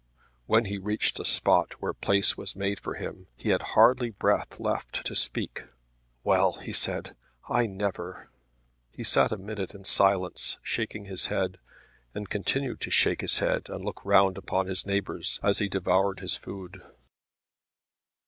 When he reached a spot where place was made for him he had hardly breath left to speak. "Well," he said, "I never !" He sat a minute in silence shaking his head, and continued to shake his head and look round upon his neighbours as he devoured his food.